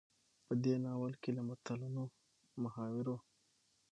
په دې ناول کې له متلونو، محاورو،